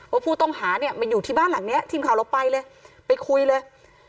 ว่าผู้ต้องหาเนี่ยมาอยู่ที่บ้านหลังนี้ทีมข่าวเราไปเลยไปคุยเลย